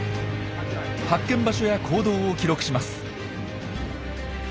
発見場所や行動を記録します。